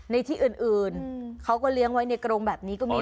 ในที่อื่นเขาก็เลี้ยงไว้ในกรงแบบนี้ก็มี